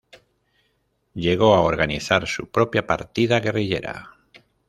Llegó a organizar su propia partida guerrillera.